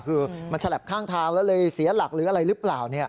คือมันฉลับข้างทางแล้วเลยเสียหลักหรืออะไรหรือเปล่า